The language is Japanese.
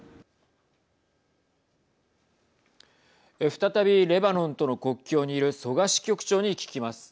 再びレバノンとの国境にいる曽我支局長に聞きます。